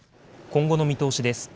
今後の見通しです。